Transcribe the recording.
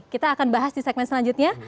kita akan bahas di segmen selanjutnya